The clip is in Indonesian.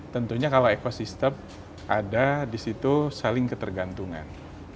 tentunya kalau ekosistem ada disitu saling ketergantungan